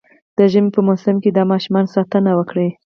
د ژمي په موسم کي د ماشومانو ساتنه وکړئ